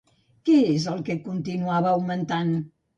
Què és el que continuava augmentant?